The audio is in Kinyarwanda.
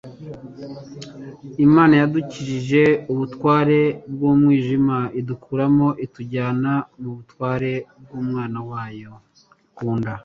Imana «yadukijije ubutware bw'umwijima idukuramo itujyana mu butware bw'Umwana wayo ikunda.»